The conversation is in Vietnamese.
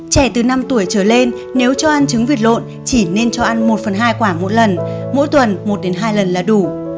trẻ từ năm tuổi trở lên nếu cho ăn trứng vịt lộn chỉ nên cho ăn một phần hai quả một lần mỗi tuần một đến hai lần là đủ